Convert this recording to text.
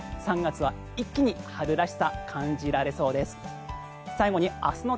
３月は一気に春らしさが感じられそうです。